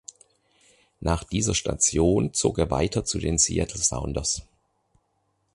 Nach dieser Station zog er weiter zu den Seattle Sounders.